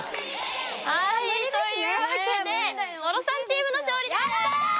はいというわけで野呂さんチームの勝利です。